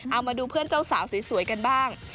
เอามาดูเพื่อนเจ้าสาวสวยกันบ้าง